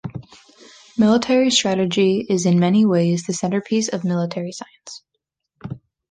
Military strategy is in many ways the centerpiece of military science.